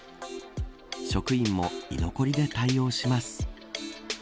職員も居残りで対応します。